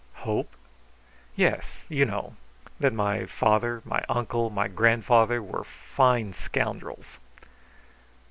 "Hope?" "Yes. You know that my father, my uncle, and my grandfather were fine scoundrels."